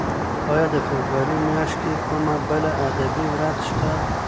ایا د فبرورۍ میاشت کې کومه بله ادبي ورځ شته؟